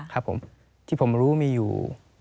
ครับผมที่ผมรู้มีอยู่